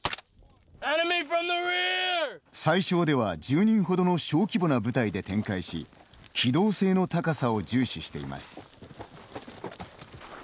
最小では１０人ほどの小規模な部隊で展開し機動性の高さを重視しています。